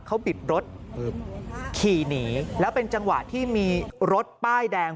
เขาบิดรถขี่หนีแล้วเป็นจังหวะที่มีรถป้ายแดง